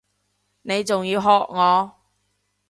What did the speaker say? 你仲要喝我！